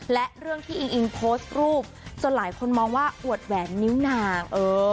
และเรื่องที่อิงอิงโพสต์รูปจนหลายคนมองว่าอวดแหวนนิ้วนาง